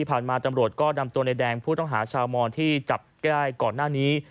ตำรวจก็นำตัวในแดงผู้ต้องหาชาวมอนที่จับได้ก่อนหน้านี้